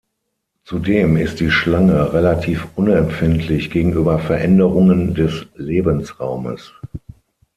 Zudem ist die Schlange relativ unempfindlich gegenüber Veränderungen des Lebensraumes.